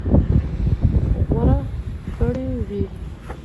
غوره کړى وي.